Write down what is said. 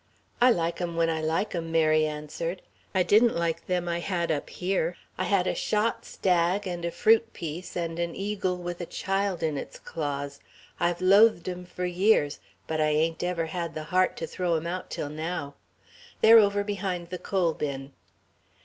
"I like 'em when I like 'em," Mary answered. "I didn't like them I had up here I had a shot stag and a fruit piece and an eagle with a child in its claws. I've loathed 'em for years, but I ain't ever had the heart to throw 'em out till now. They're over behind the coal bin."